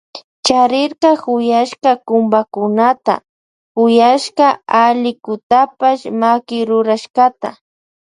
Charirka kuyaska kumbakunata y huyashka allkutapash makirurashkata.